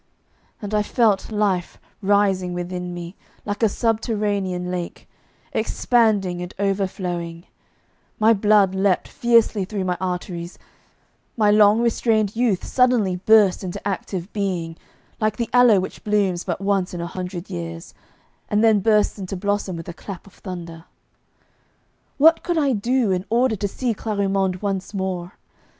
And I felt life rising within me like a subterranean lake, expanding and overflowing; my blood leaped fiercely through my arteries; my long restrained youth suddenly burst into active being, like the aloe which blooms but once in a hundred years, and then bursts into blossom with a clap of thunder. What could I do in order to see Clarimonde once more?